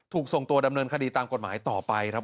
ถูกส่งตัวดำเนินคดีตามกฎหมายต่อไปครับ